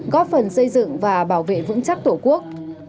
góp phần xây dựng và bảo vệ vững chắc tổ quốc